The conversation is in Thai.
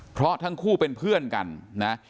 เพราะทั้งคู่เป็นเพื่อนกันนะ